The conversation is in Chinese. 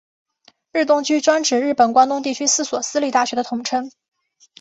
日东驹专指日本关东地区四所私立大学的统称。